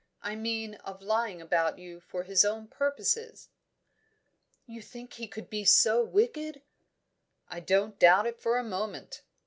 I mean, of lying about you for his own purposes." "You think he could be so wicked?" "I don't doubt it for a moment.